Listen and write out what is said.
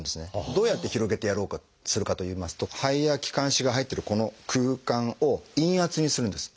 どうやって広げてやろうとするかといいますと肺や気管支が入ってるこの空間を陰圧にするんです。